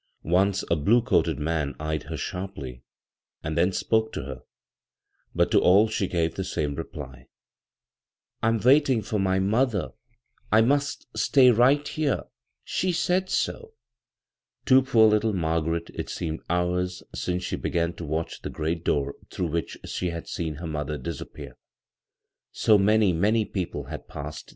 Once a blue coated man eyed her shaiply, and then spoke to her ; but to all she gave the same reply ;" I'm waiting for my mother. I must stay right here. She said so." To poor little Margaret it seemed hours since she began to watch the great door through which she had seen her mother iMs appear. So many, many people had passe*.'